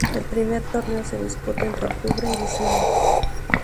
El primer torneo se disputa entre octubre y diciembre.